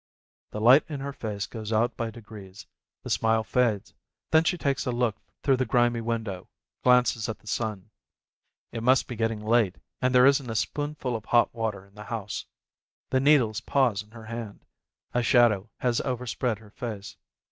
The light in her face goes out by degrees, the smile fades, then she takes a look through the grimy window, glances at the sun. It must be getting late, and there isn't a spoonful of hot water in the house. The needles pause in her hand, a shadow has overspread her face.